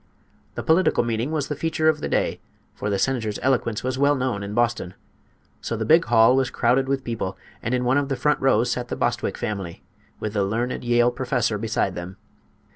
The political meeting was the feature of the day, for the senator's eloquence was well known in Boston. So the big hall was crowded with people, and in one of the front rows sat the Bostwick family, with the learned Yale professor beside them.